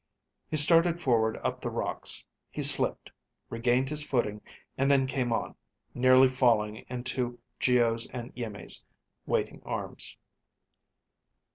He started forward up the rocks. He slipped, regained his footing, and then came on, nearly falling into Geo's and Iimmi's waiting arms.